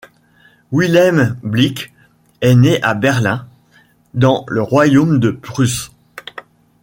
Wilhelm Bleek est né à Berlin, dans le royaume de Prusse.